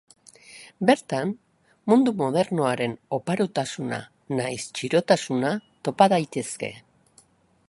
Bertan mundu modernoaren oparotasuna nahiz txirotasuna topa daitezke.